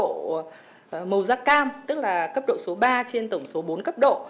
màu da cam tức là cấp độ số ba trên tổng số bốn cấp độ